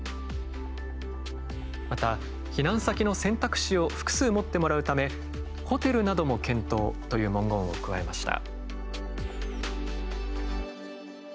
また、避難先の選択肢を複数持ってもらうためホテルなども検討という文言を加えました。